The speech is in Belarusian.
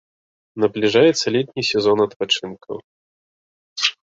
Набліжаецца летні сезон адпачынкаў.